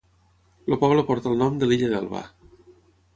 El poble porta el nom de l'illa d'Elba.